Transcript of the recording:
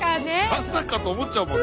まさかと思っちゃうもんね。